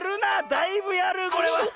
だいぶやるこれは。